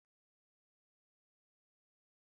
د پوهنتون لابراتوار د تجربو ځای دی.